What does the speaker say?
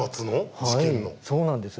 はいそうなんです。